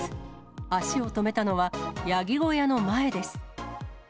足を止めたのは、ヤギ小屋の前です。